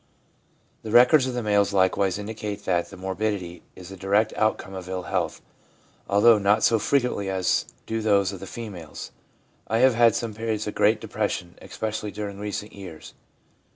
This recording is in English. The records of the males likewise indicate that morbidity is the direct outcome of ill health, although not so frequently as do those of the females. ' I have had some periods of great depression, especially during recent years.